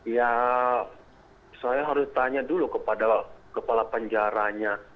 ya saya harus tanya dulu kepada kepala penjaranya